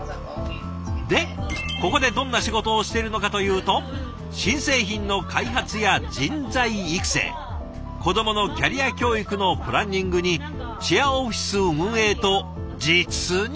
でここでどんな仕事をしてるのかというと新製品の開発や人材育成子どものキャリア教育のプランニングにシェアオフィス運営と実に幅広い。